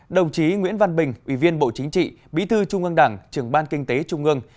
đồng chí nguyễn văn bình ủy viên bộ chính trị bí thư trung ương đảng trường ban kinh tế trung ương